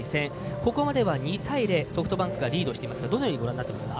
ここまでは２対０ソフトバンクがリードしていますがどんなにご覧になっていますか。